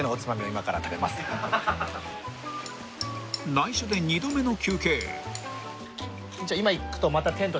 ［内緒で二度目の休憩］